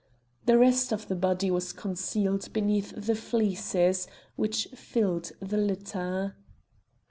The rest of the body was concealed beneath the fleeces which filled the litter.